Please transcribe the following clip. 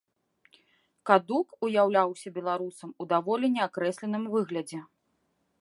Кадук уяўляўся беларусам у даволі неакрэсленым выглядзе.